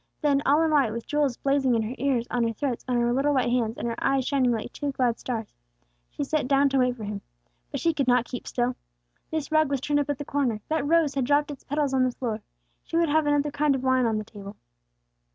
Then, all in white, with jewels blazing in her ears, on her throat, on her little white hands, and her eyes shining like two glad stars, she sat down to wait for him. But she could not keep still. This rug was turned up at the corner; that rose had dropped its petals on the floor. She would have another kind of wine on the table.